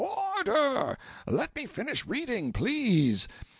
Order! Let me finish reading, please."